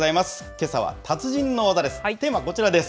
けさは達人の技です。